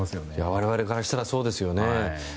我々からしたらそうですよね。